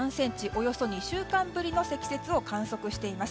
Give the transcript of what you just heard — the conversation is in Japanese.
およそ２週間ぶりの積雪を観測しています。